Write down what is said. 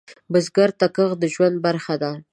بزګر ته کښت د ژوند برخه ده